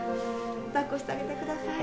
抱っこしてあげてください